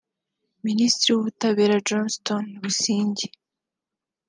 Minisitiri w’Ubutabera Johnston Busingye